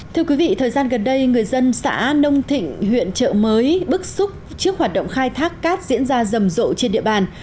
thưa quý vị thời gian gần đây người dân xã nông thịnh huyện trợ mới bức xúc trước hoạt động khai thác cát diễn ra rầm rộ trên địa bàn